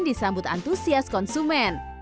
disambut antusias konsumen